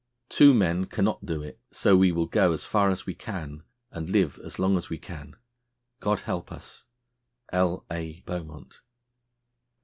Two men cannot do it, so we will go as far as we can, and live as long as we can. God help us. L. A. BEAUMONT."